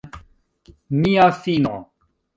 Mia fino!